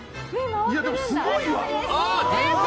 でもすごいわ。